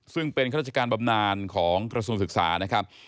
ซึ่งเป็นข้าราชการบำนานของกระทรวงศึกษานะครับ